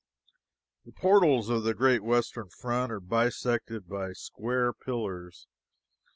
The portals of the great western front are bisected by square pillars.